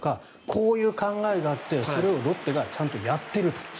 こういう考えがあってそれをロッテがちゃんとやっていると。